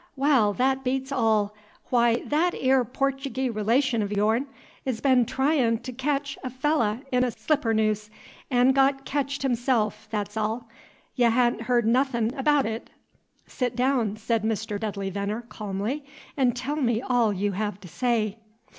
Waal, that beats all! Why, that 'ere Portagee relation o' yourn 'z been tryin' t' ketch a fellah 'n a slippernoose, 'n' got ketched himself, that's all. Y' ha'n't heerd noth'n' abaout it?" "Sit down," said Mr. Dudley Veneer, calmly, "and tell me all you have to say."